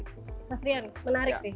mas rian menarik sih